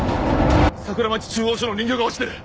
桜町中央署の人形が落ちてる。